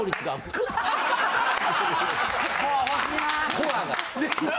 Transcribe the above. コアが。